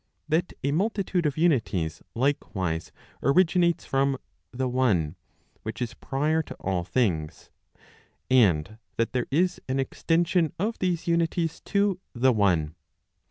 That a multitude of unities likewise originates from the one which is prior to all things; and that there is an extension of these unities to the one.